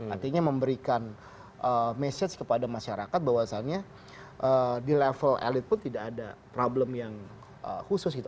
artinya memberikan message kepada masyarakat bahwasannya di level elit pun tidak ada problem yang khusus gitu